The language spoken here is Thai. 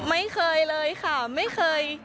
ไม่เคยเลยค่ะไม่เคย